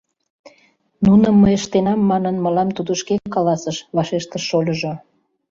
— Нуным мый ыштенам манын, мылам тудо шке каласыш, — вашештыш шольыжо.